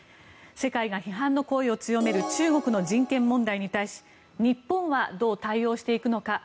世界が批判の声を強める中国の人権問題に対し日本はどう対応していくのか。